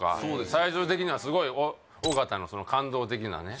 最終的にはすごい尾形の感動的なね